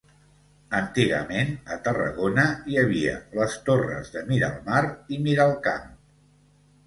Antigament a Tarragona, hi havia les torres de Miralmar i Miralcamp.